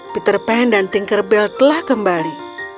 peter pan dan tinker bell telah kembali